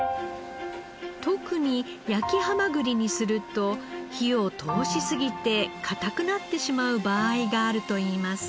特に焼きはまぐりにすると火を通しすぎて硬くなってしまう場合があるといいます。